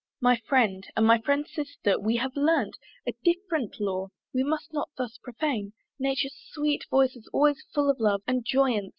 My Friend, and my Friend's Sister! we have learnt A different lore: we may not thus profane Nature's sweet voices always full of love And joyance!